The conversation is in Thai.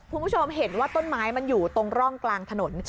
คุณผู้ชมเห็นว่าต้นไม้มันอยู่ตรงร่องกลางถนน